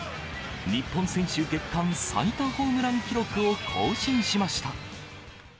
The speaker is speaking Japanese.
日本選手月間最多ホームラン記録を更新しました。